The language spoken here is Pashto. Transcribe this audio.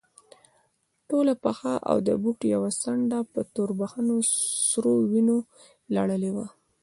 ټوله پښه او د بوټ يوه څنډه په توربخونو سرو وينو لړلې وه.